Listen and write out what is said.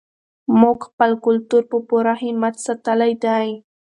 موږ خپل کلتور په پوره همت ساتلی دی.